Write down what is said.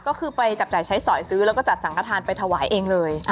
ก็คือไปจับจ่ายใช้สอยซื้อแล้วก็จัดสังขทานไปถวายเองเลย